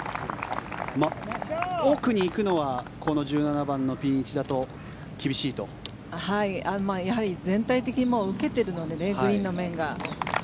奥に行くのはこの１７番のピン位置だとやはり全体的に受けているのでグリーンの面が。